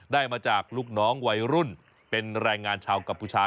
ได้มาจากลูกน้องวัยรุ่นเป็นแรงงานชาวกัมพูชา